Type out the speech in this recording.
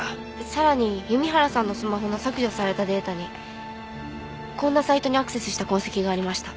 さらに弓原さんのスマホの削除されたデータにこんなサイトにアクセスした痕跡がありました。